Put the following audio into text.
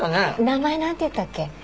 名前何ていったっけ？